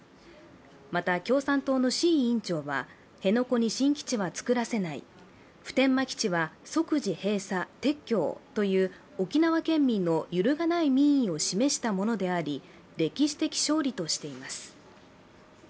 また、共産党の志位委員長は辺野古に新基地はつくらせない普天間基地は即時閉鎖・撤去をという沖縄県民の揺るがない民意を示したものであり歴史的勝利としています。